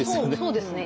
そうですね。